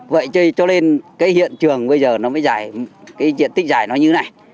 vậy cho nên cái hiện trường bây giờ nó mới giải cái diện tích giải nó như này